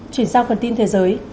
chuyển sang phần tin thế giới